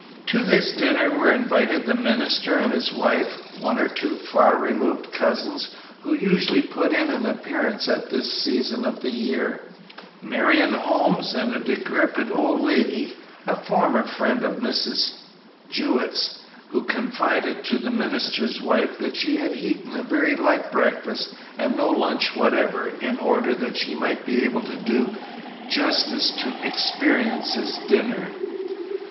To this dinner were invited the minister and his wife, one or two far removed cousins who usually put in an appearance at this season of the year, Marion Holmes, and a decrepit old lady, a former friend of Mrs. Jewett's, who confided to the minister's wife that she had eaten a very light breakfast and no lunch whatever in order that she might be able to "do justice to Experience's dinner."